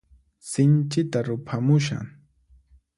Sinchita ruphamushan.